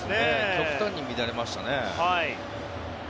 極端に乱れましたね。